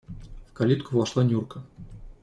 В калитку вошла Нюрка.